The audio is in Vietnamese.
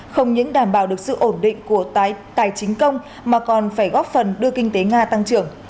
không những đảm bảo được sự ổn định của tài chính công mà còn phải góp phần đưa kinh tế nga tăng trưởng